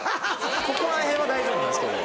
ここら辺は大丈夫なんですけど。